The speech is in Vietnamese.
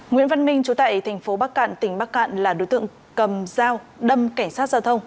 nguyễn văn minh chú tại thành phố bắc cạn tỉnh bắc cạn là đối tượng cầm dao đâm cảnh sát giao thông